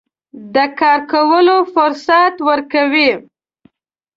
د کار کولو فرصت ورکوي.